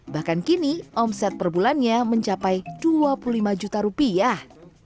bahkan kini omset per bulannya mencapai dua puluh lima juta rupiah